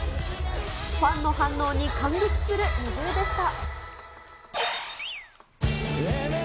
ファンの反応に感激するＮｉｚｉＵでした。